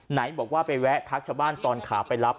ไหนบอกว่าไปแวะทักชาวบ้านตอนขาไปรับ